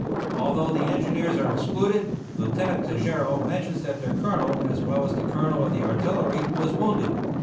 Although the engineers are excluded, Lieutenant Tejeiro mentions that their colonel, as well as the colonel of the artillery, was wounded.